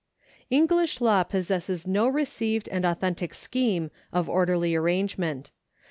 English law possesses no received and authentic scheme of orderly arrangement.